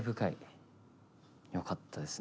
よかったですね。